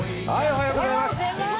おはようございます。